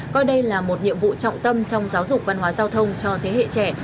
coi đây là một nhiệm vụ trọng tâm trong giáo dục văn hóa giao thông cho thế hệ trẻ